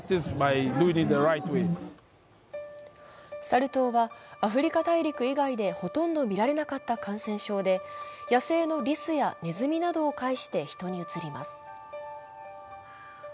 サル痘はアフリカ大陸以外でほとんど見られなかった感染症で野生のりすやねずみなどを介して人にうつります。